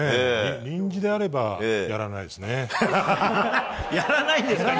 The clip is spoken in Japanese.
臨時であればやらないですね。